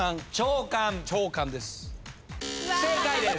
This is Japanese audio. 不正解です！